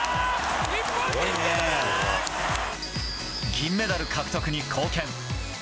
銀メダル獲得に貢献。